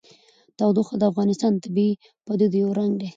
تودوخه د افغانستان د طبیعي پدیدو یو رنګ دی.